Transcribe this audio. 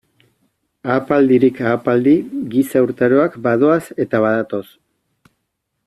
Ahapaldirik ahapaldi giza urtaroak badoaz eta badatoz.